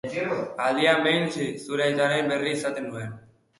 Aldian behin, zure aitaren berri izaten nuen.